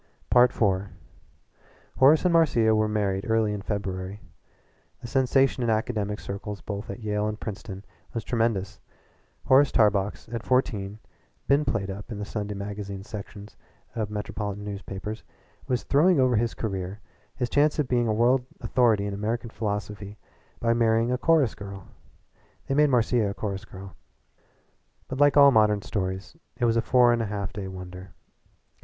IV Horace and Marcia were married early in February. The sensation in academic circles both at Yale and Princeton was tremendous. Horace Tarbox, who at fourteen had been played up in the Sunday magazines sections of metropolitan newspapers, was throwing over his career, his chance of being a world authority on American philosophy, by marrying a chorus girl they made Marcia a chorus girl. But like all modern stories it was a four and a half day wonder.